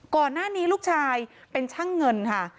ก่อนหน้านี้ลูกชายเป็นช่างเงินค่ะ